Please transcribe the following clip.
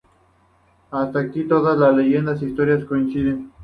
Hasta aquí, todas las leyendas e historia coinciden.